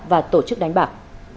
và tổ chức đánh bạc